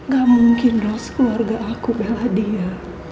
gak mungkin rose keluarga aku bela dia